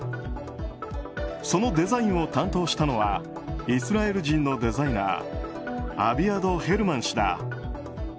そのデザインを担当したのはイスラエル人のデザイナーアビアド・ヘルマン氏だ。